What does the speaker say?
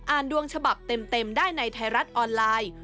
ดวงฉบับเต็มได้ในไทยรัฐออนไลน์